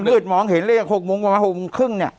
มันมืดมองเห็นเลยอย่าง๖โมงประมาณ๖โมงครึ่งเนี่ย